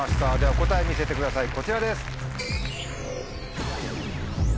答え見せてくださいこちらです。